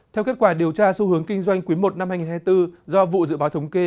theo kết quả điều tra xu hướng kinh doanh quý i năm hai nghìn hai mươi bốn do vụ dự báo thống kê